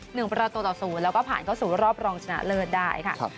หนึ่งประตูต่อศูนย์แล้วก็ผ่านเข้าสู่รอบรองชนะเลิศได้ค่ะครับ